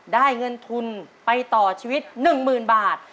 ได้เงินทุนไปต่อชีวิต๑๐๐๐บาท